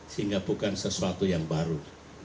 sehingga bukan sesuatu yang baru